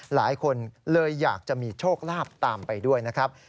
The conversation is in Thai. หลายคนเลยอยากจะมีโชคลาภตามไปด้วยนะครับ